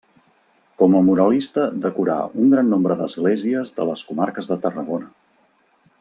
Com a muralista decorà un gran nombre d'esglésies de les comarques de Tarragona.